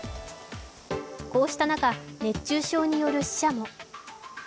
こうした中、熱中症による死者も。